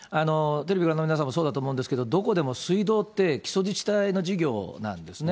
テレビご覧の皆さんもそうだと思うんですけど、どこでも水道って、基礎自治体の事業なんですね。